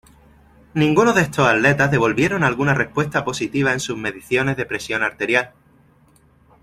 Ninguno de estos atletas devolvieron alguna respuesta positiva en sus mediciones de presión arterial.